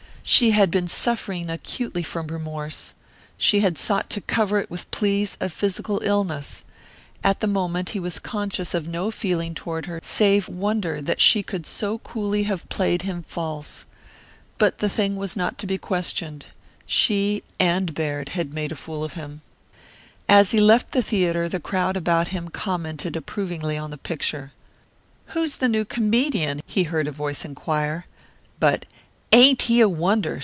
She had been suffering acutely from remorse; she had sought to cover it with pleas of physical illness. At the moment he was conscious of no feeling toward her save wonder that she could so coolly have played him false. But the thing was not to be questioned. She and Baird had made a fool of him. As he left the theatre, the crowd about him commented approvingly on the picture: "Who's this new comedian?" he heard a voice inquire. But "Ain't he a wonder!"